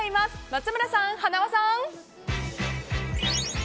松村さん、はなわさん。